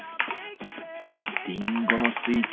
りんごのスイーツ